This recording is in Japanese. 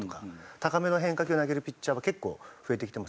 高めの変化球を投げるピッチャーは結構増えてきてますね。